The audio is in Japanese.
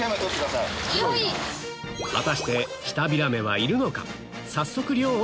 果たしてシタビラメはいるのか？